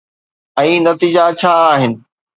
۽ نتيجا ڇا آهن؟